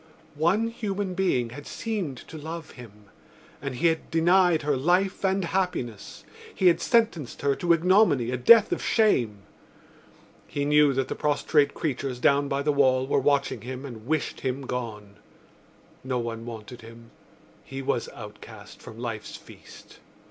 One human being had seemed to love him and he had denied her life and happiness: he had sentenced her to ignominy, a death of shame. He knew that the prostrate creatures down by the wall were watching him and wished him gone. No one wanted him; he was outcast from life's feast.